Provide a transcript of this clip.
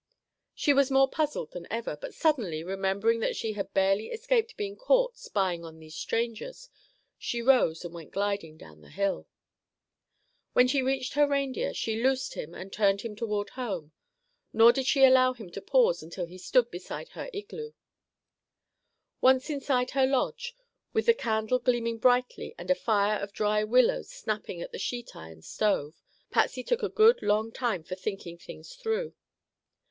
She was more puzzled than ever, but suddenly remembering that she had barely escaped being caught spying on these strangers, she rose and went gliding down the hill. When she reached her reindeer she loosed him and turned him toward home, nor did she allow him to pause until he stood beside her igloo. Once inside her lodge, with the candle gleaming brightly and a fire of dry willows snapping in the sheet iron stove, Patsy took a good long time for thinking things through.